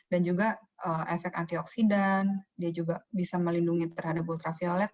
dan juga efek antioksidan dia juga bisa melindungi terhadap ultraviolet